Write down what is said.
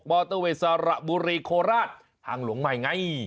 อเตอร์เวย์สระบุรีโคราชทางหลวงใหม่ไง